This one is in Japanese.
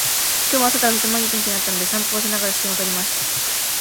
今日は朝からとてもいい天気だったので、散歩をしながら写真を撮りました。